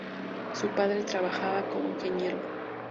Su padre trabajaba como ingeniero.